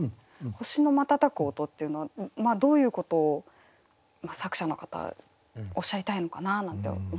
「星のまたたく音」っていうのはどういうことを作者の方おっしゃりたいのかななんて思ったんですけど。